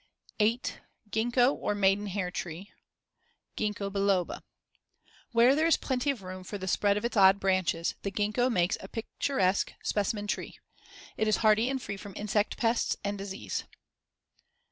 8. Gingko or Maiden hair tree (Gingko biloba) Where there is plenty of room for the spread of its odd branches, the gingko makes a picturesque specimen tree. It is hardy and free from insect pests and disease.